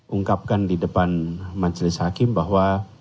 ungkapkan di depan majelis hakim bahwa